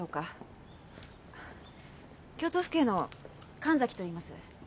京都府警の神崎といいます。